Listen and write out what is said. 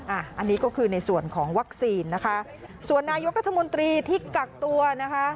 อันนี้ก็คือในส่วนของวัคซีนนะคะส่วนนายกรัฐมนตรีที่กักตัวนะคะ